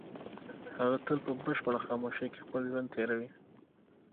هغه تل په بشپړه خاموشۍ کې خپل ژوند تېروي.